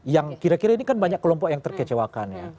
yang kira kira ini kan banyak kelompok yang terkecewakan ya